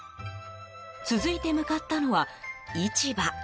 続いて向かったのは、市場。